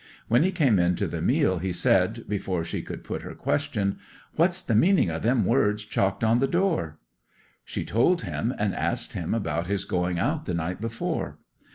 When he came in to the meal he said, before she could put her question, "What's the meaning of them words chalked on the door?" 'She told him, and asked him about his going out the night before.